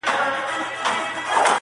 په هر قدم قدم له منځه یوسه